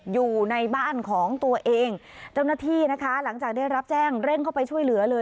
อยู่ในบ้านของตัวเองเจ้าหน้าที่นะคะหลังจากได้รับแจ้งเร่งเข้าไปช่วยเหลือเลย